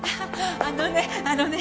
あのねあのね